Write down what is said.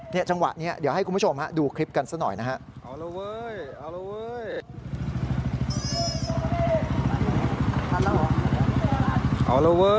จังหวะนี้เดี๋ยวให้คุณผู้ชมดูคลิปกันซะหน่อยนะฮะ